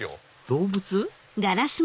動物？